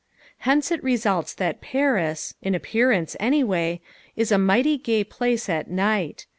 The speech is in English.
Hence it results that Paris in appearance, anyway is a mighty gay place at night.